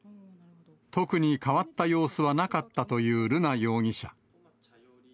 特に変わった様子はなかったという瑠奈容疑者。